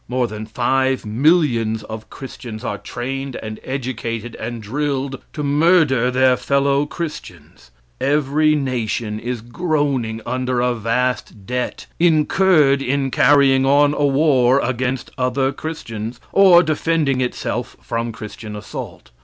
More than five millions of Christians are trained and educated and drilled to murder their fellow Christians. Every nation is groaning under a vast debt incurred in carrying on war against other Christians, or defending itself from Christian assault.